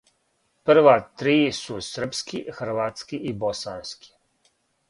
Прва три су српски, хрватски и босански.